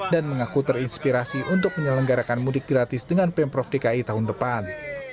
dan mengaku terinspirasi untuk menyelenggarakan mudik gratis dengan pemprov dki tahun depan